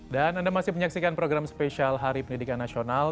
dan anda masih menyaksikan program spesial hari pendidikan nasional